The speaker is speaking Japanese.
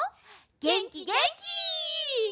げんきげんき！